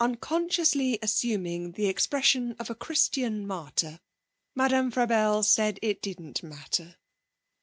Unconsciously assuming the expression of a Christian martyr, Madame Frabelle said it didn't matter.